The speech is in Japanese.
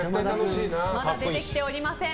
まだ出てきておりません。